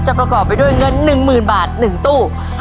ประกอบไปด้วยเงิน๑๐๐๐บาท๑ตู้